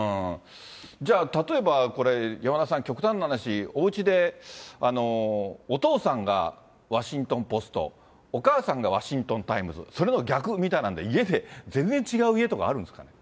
じゃあ、例えばこれ、山田さん、極端な話、おうちで、お父さんがワシントン・ポスト、お母さんがワシントン・タイムズ、それの逆みたいな感じで、家で全然違う家とかあるんですかね。